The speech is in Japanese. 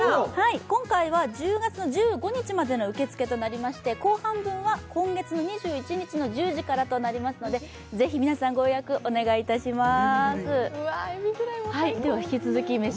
今回は１０月１５日までの受け付けとなりまして、後半分は今月２１日の１０時からとなりますので、ぜひ皆さん、ご予約お願いします。